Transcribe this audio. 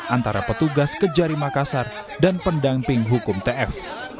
antara petugas kejari makassar dan pendamping hukum tf